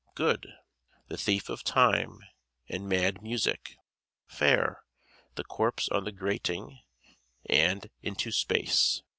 Good: "The Thief of Time" and "Mad Music." Fair: "The Corpse on the Grating" and "Into Space."